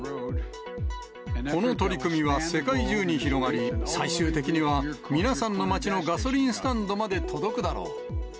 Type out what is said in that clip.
この取り組みは世界中に広がり、最終的には皆さんの街のガソリンスタンドまで届くだろう。